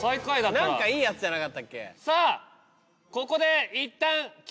何かいいやつじゃなかったっけ？